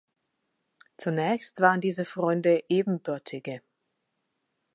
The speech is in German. Zunächst waren diese Freunde „Ebenbürtige“.